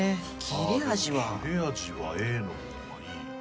切れ味はＡの方がいい。